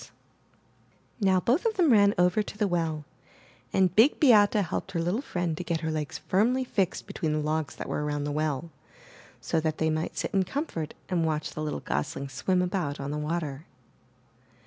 427 MY BOOK HOUSE Now both of them ran over to the well, and Big Beate helped her little friend to get her legs firmly fixed between the logs that were around the well, so that they might sit in comfort and watch the little goslings swim about on the water.